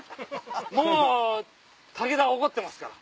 もう武田は怒ってますから。